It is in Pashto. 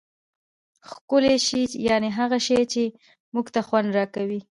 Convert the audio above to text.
ښکلی شي یعني هغه شي، چي موږ ته خوند راکوي.